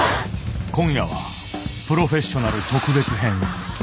今夜は「プロフェッショナル」特別編。